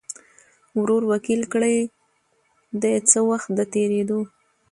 ورور وکیل کړي دی څه وخت د تېریدو